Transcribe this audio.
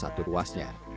salah satu ruasnya